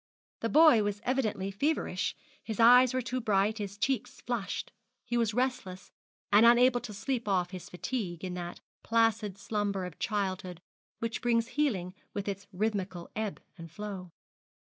The boy was evidently feverish, his eyes were too bright, his cheeks flushed. He was restless, and unable to sleep off his fatigue in that placid slumber of childhood which brings healing with its rythmical ebb and flow.